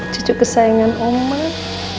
cucu kesayangan omah